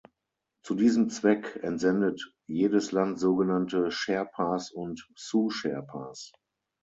Zu diesem Zweck entsendet jedes Land sogenannte Sherpas und Sous-Sherpas.